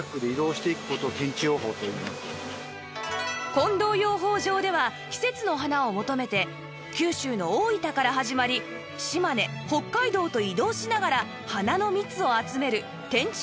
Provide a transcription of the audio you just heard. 近藤養蜂場では季節の花を求めて九州の大分から始まり島根北海道と移動しながら花の蜜を集める転地